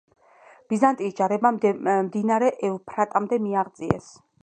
ბიზანტიის ჯარებმა მდინარე ევფრატამდე მიაღწიეს.